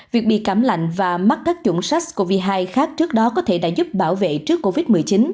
việc bị cảm lạnh và mắc các chủng sars cov hai khác trước đó có thể đã giúp bảo vệ trước covid một mươi chín